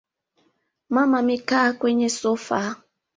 Mama amekaa kwenye sofa